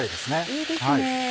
いいですね。